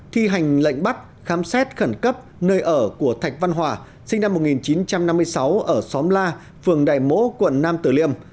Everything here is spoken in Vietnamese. thi hành lệnh bắt khám xét khẩn cấp nơi ở của thạch văn hòa sinh năm một nghìn chín trăm năm mươi sáu ở xóm la phường đài mỗ quận nam tử liêm